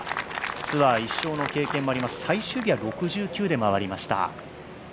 ツアー１勝の経験もあります、最終日は６９で回りました。